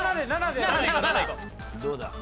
どうだ？